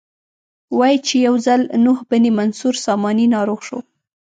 وایي چې یو ځل نوح بن منصور ساماني ناروغ شو.